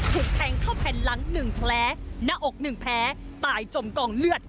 ถูกแทงเข้าแผ่นหลัง๑แผลหน้าอก๑แผลตายจมกองเลือด